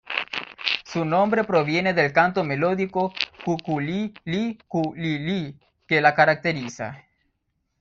Su nombre proviene del canto melódico "cucu-lí-lí-cu-lí-lí" que la caracteriza.